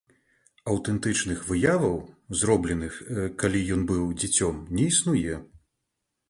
Аўтэнтычных выяваў, зробленых, калі ён быў дзіцём, не існуе.